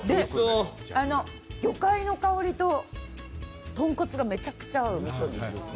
魚介の香りと豚骨がめちゃくちゃ合う。